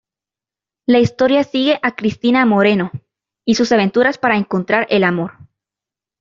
La historia sigue a Cristina Moreno y sus aventuras para encontrar el amor.